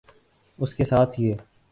اس کے ساتھ یہ